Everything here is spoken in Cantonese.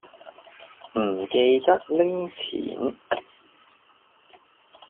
唔記得拎錢